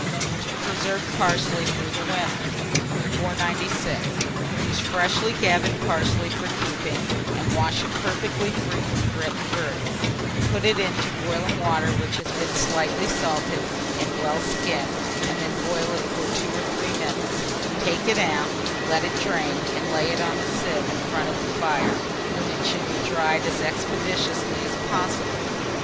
TO PRESERVE PARSLEY THROUGH THE WINTER. 496. Use freshly gathered parsley for keeping, and wash it perfectly free from grit and dirt; put it into boiling water which has been slightly salted and well skimmed, and then let it boil for 2 or 3 minutes; take it out, let it drain, and lay it on a sieve in front of the fire, when it should be dried as expeditiously as possible.